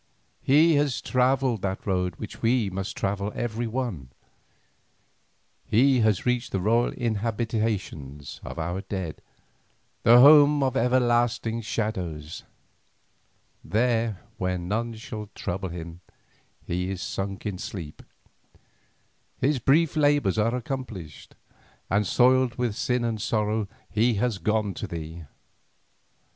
He has travelled that road which we must travel every one, he has reached the royal inhabitations of our dead, the home of everlasting shadows. There where none shall trouble him he is sunk in sleep. His brief labours are accomplished, and soiled with sin and sorrow, he has gone to thee.